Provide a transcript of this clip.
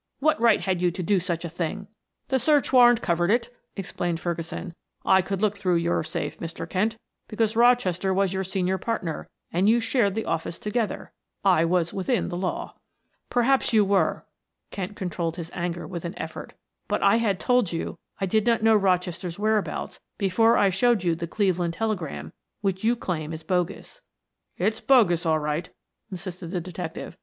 "What right had you to do such a thing?" "The search warrant covered it," explained Ferguson. "I could look through your safe, Mr. Kent, because Rochester was your senior partner and you shared the office together; I was within the law." "Perhaps you were," Kent controlled his anger with an effort. "But I had told you I did not know Rochester's whereabouts before I showed you the Cleveland telegram, which you claim is bogus." "It's bogus, all right," insisted the detective.